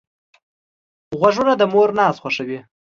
غوږونه د مور ناز خوښوي